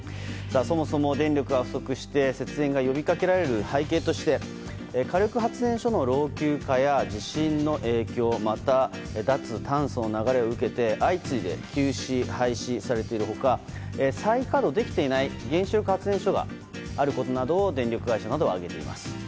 そもそも電力が不足して節電が呼び掛けられる背景として火力発電所の老朽化や地震の影響また、脱炭素の流れを受けて相次いで休止・廃止されている他再稼働できていない原子力発電所があることなどを電力会社などは挙げています。